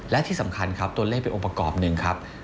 และที่สำคัญครับตัวเลขเป็นองค์ประกอบหนึ่งครับ